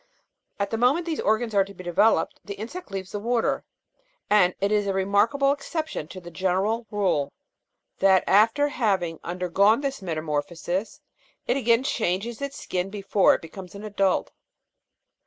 At the moment these organs are to be developed, the insect leaves the water ; and it is a remarkable exception to the general rule, that after having undergone this metamorphosis, it again changes its skin before it becomes an adult.